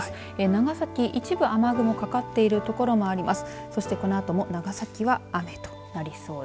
長崎、一部雨雲がかかっている所もあります。